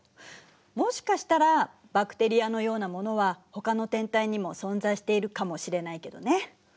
もしかしたらバクテリアのようなものはほかの天体にも存在しているかもしれないけどね。